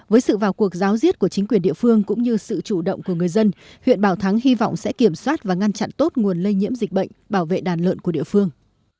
với sự vào cuộc giáo diết của chính quyền địa phương cũng như sự chủ động của người dân huyện bảo thắng hy vọng sẽ kiểm soát và ngăn chặn tốt nguồn lây nhiễm dịch bệnh bảo vệ đàn lợn của địa phương